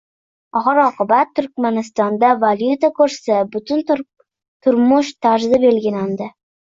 Oxir -oqibat, Turkmanistonda valyuta kursi, butun turmush tarzi belgilanadi